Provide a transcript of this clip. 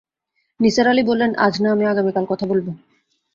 নিসার আলি বললেন, আজ না, আমি আগামীকাল কথা বলব।